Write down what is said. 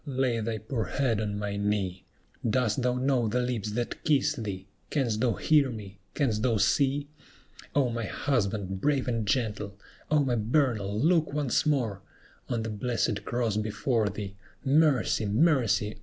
lay thy poor head on my knee; Dost thou know the lips that kiss thee? Canst thou hear me? canst thou see? O my husband, brave and gentle! O my Bernal, look once more On the blessed cross before thee! Mercy! mercy!